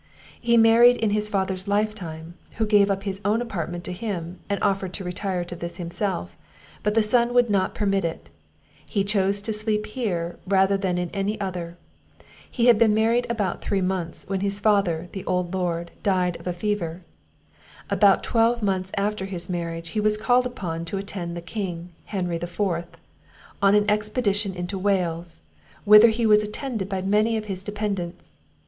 He married in his father's lifetime, who gave up his own apartment to him, and offered to retire to this himself; but the son would not permit him; he chose to sleep here, rather than in any other. He had been married about three months, when his father, the old lord, died of a fever. About twelve months after his marriage, he was called upon to attend the King, Henry the Fourth, on an expedition into Wales, whither he was attended by many of his dependants.